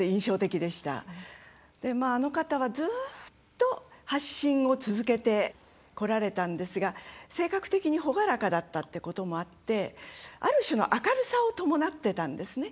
あの方は、ずっと発信を続けてこられたんですが性格的に朗らかだったってこともあって、ある種の明るさを伴ってたんですね。